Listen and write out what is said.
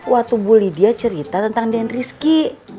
waktu bu lydia cerita tentang dendriski